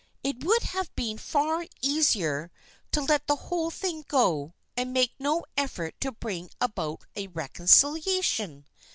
It would have been far easier to let the whole thing go, and make no effort to bring about a reconciliation.